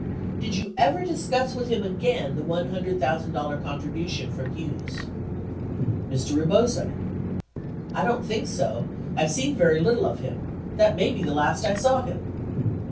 Did you ever discuss with him again the $100,000 contribution from Hughes ? Mr. Rebozo. I don't think so. I've seen very little of him. That may be the last I saw him.